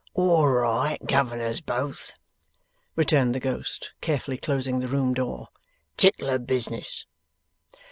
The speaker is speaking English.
'All right, Governors Both,' returned the ghost, carefully closing the room door; ''tickler business.